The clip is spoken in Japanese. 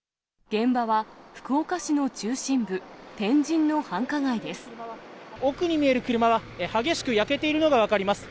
現場は、福岡市の中心部、天神の繁華街です。